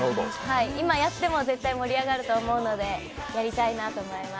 今やっても絶対盛り上がると思うので、やりたいなと思います。